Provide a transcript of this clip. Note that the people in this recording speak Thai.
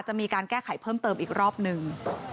จะมีการแก้ไขเพิ่มเติมอีกรอบหนึ่ง